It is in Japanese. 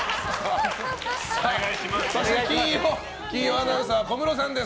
そして金曜アナウンサーは小室さんです。